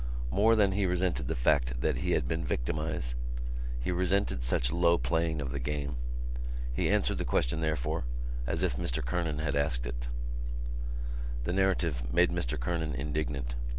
More than he resented the fact that he had been victimised he resented such low playing of the game. He answered the question, therefore, as if Mr Kernan had asked it. The narrative made Mr Kernan indignant.